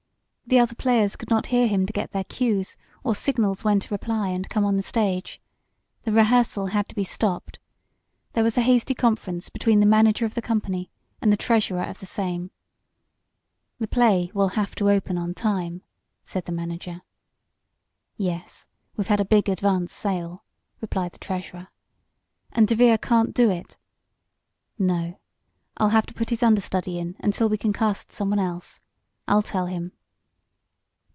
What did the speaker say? The other players could not hear him to get their "cues," or signals when to reply, and come on the stage. The rehearsal had to be stopped. There was a hasty conference between the manager of the company and the treasurer of the same. "The play will have to open on time," said the manager. "Yes, we've had a big advance sale," replied the treasurer. "And DeVere can't do it." "No. I'll have to put his understudy in until we can cast someone else. I'll tell him."